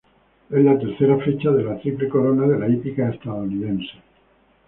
Es la tercera fecha de la Triple Corona de la hípica estadounidense.